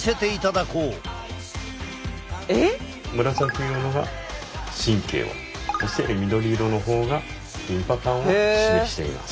紫色が神経をそして緑色の方がリンパ管を示しています。